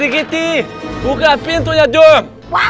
kita buka pintunya jom